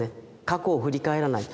過去を振り返らない。